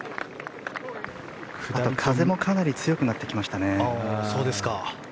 あと、風もかなり強くなってきました。